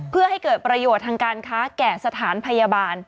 เพื่อให้เกิดประโยชน์ทางการค้าแก่สถานพยาบาล